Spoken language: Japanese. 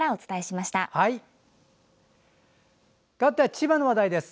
かわっては千葉の話題です。